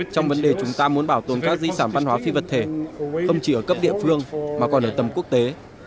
trong vấn đề chúng ta muốn bảo tồn các di sản văn hóa phi vật thể không chỉ ở cấp địa phương mà còn ở tầm quốc tế